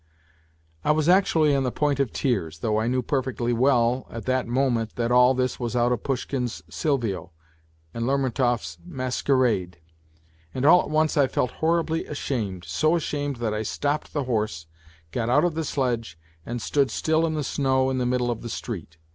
..." I was actually on the point of tears, though I knew perfectly well at that moment that all this was out of Pushkin's Silrio and Lermontov's Masquerade. And all at once I felt horribly ashamed, so ashamed that I stopped the horse, got out of the sledge, and stood still in the snow in the middle of the street.